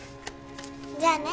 じゃあね。